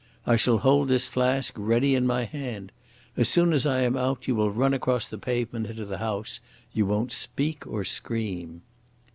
I shall hold this flask ready in my hand. As soon as I am out you will run across the pavement into the house. You won't speak or scream."